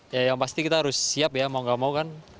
ya yang pasti kita harus siap ya mau gak mau kan